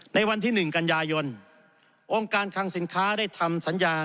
ในวันที่๑กันยายนองค์การคังสินค้าได้ทำสัญญา